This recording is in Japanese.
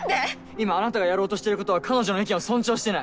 今あなたがやろうとしてることは彼女の意見を尊重してない。